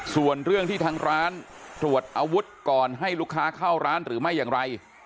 ส่วนเรื่องที่ทางร้านตรวจอาวุธก่อนให้ลูกค้าเข้าร้านหรือไม่อย่างไร